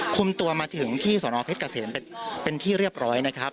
คุมตัวมาถึงที่สนเพชรเกษมเป็นที่เรียบร้อยนะครับ